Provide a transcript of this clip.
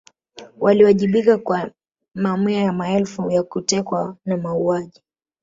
Waliwajibika kwa mamia ya maelfu ya kutekwa na mauaji